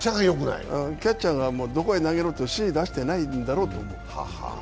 キャッチャーがどこへ投げろと指示を出していないんだと思います。